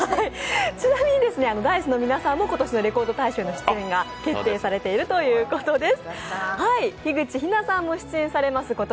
ちなみにＤａ−ｉＣＥの皆さんも今年の「レコード大賞」への出演が決定されているということです。